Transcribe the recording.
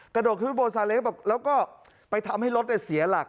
กระโดดขึ้นไปบนซาเล้งแล้วก็ไปทำให้รถเสียหลัก